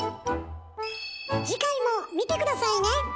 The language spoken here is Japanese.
次回も見て下さいね！